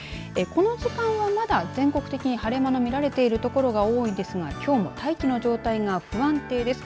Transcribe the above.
この時間はまだ全国的に晴れ間の見られている所が多いですがきょうも大気の状態が不安定です。